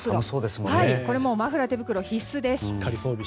マフラー、手袋が必須です。